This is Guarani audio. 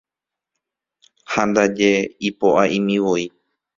Ha ndaje ipoʼaʼimivoi.